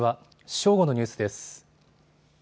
正午のニュースです。